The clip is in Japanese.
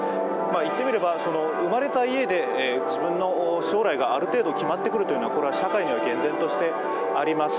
いってみれば、生まれた家で自分の将来がある程度決まってくるというのはこれは社会に前提としてあります。